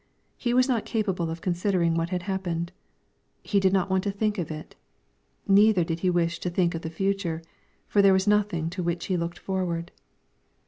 He was not capable of considering what had happened; he did not want to think of it; neither did he wish to think of the future, for there was nothing to which he looked forward.